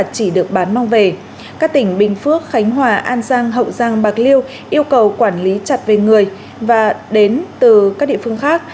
các tỉnh bình phước khánh hòa an giang hậu giang bạc liêu yêu cầu quản lý chặt về người và đến từ các địa phương khác